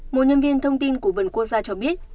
một nhân viên thông tin của vườn quốc gia cho biết